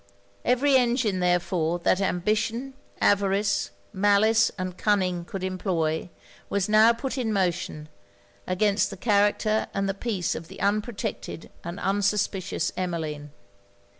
Every engine therefore that ambition, avarice, malice and cunning could employ, was now put in motion against the character and the peace of the unprotected and unsuspicious Emmeline.